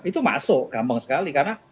itu masuk gampang sekali karena